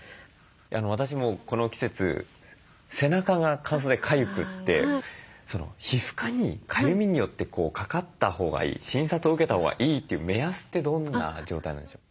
私もこの季節背中が乾燥でかゆくて皮膚科にかゆみによってかかったほうがいい診察を受けたほうがいいという目安ってどんな状態なんでしょうか。